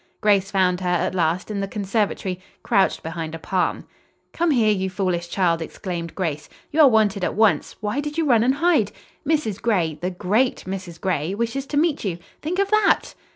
Grace found her, at last, in the conservatory crouched behind a palm. "Come here, you foolish child!" exclaimed Grace. "You are wanted at once. Why did you run and hide? Mrs. Gray the great Mrs. Gray wishes to meet you. Think of that!"